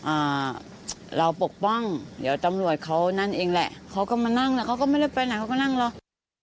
อ่าเราปกป้องเดี๋ยวตำรวจเขานั่นเองแหละเขาก็มานั่งแล้วเขาก็ไม่ได้ไปไหนเขาก็นั่งรอ